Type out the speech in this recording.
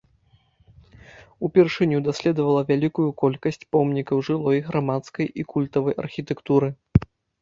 Упершыню даследавала вялікую колькасць помнікаў жылой, грамадскай і культавай архітэктуры.